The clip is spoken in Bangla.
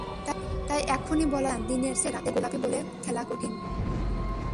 তাই এখনই বলা যাচ্ছে না, দিনের চেয়ে রাতে গোলাপি বলে খেলা কঠিন।